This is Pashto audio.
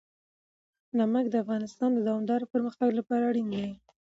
نمک د افغانستان د دوامداره پرمختګ لپاره اړین دي.